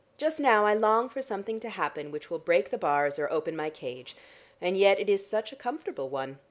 Just now I long for something to happen which will break the bars or open my cage. And yet it is such a comfortable one.